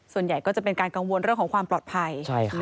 ส่วนใหญ่ก็จะเป็นการกังวลเรื่องของความปลอดภัย